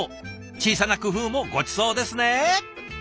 小さな工夫もごちそうですね！